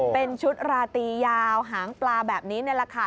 เป็นชุดราตรียาวหางปลาแบบนี้ในราคา